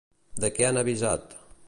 De què han avisat?